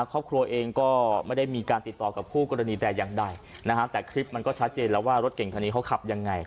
ครอบครัวเองก็ไม่ได้มีการติดต่อกับคู่กรณีแต่อย่างใดนะฮะแต่คลิปมันก็ชัดเจนแล้วว่ารถเก่งคันนี้เขาขับยังไง